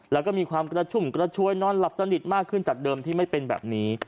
แล้วก็มีความกระชุ่มกระชวยนอนหลับสนิทมากขึ้นจากเดิมที่ไม่เป็นแบบนี้